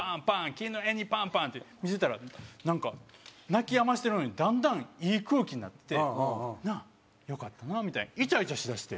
きぬえにパンパン！」って見せたらなんか泣きやましてるのにだんだんいい空気になって「なっ？よかったな」みたいなイチャイチャしだして。